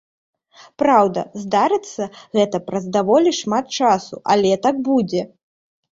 Праўда, здарыцца гэта праз даволі шмат часу, але так будзе.